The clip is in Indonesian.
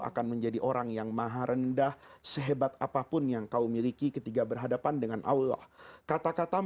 akan menjadi orang yang maha rendah sehebat apapun yang kau miliki ketika berhadapan dengan allah kata kata